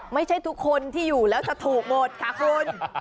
ไม่ใช่ทุกคนที่อยู่แล้วจะถูกหมดค่ะคุณ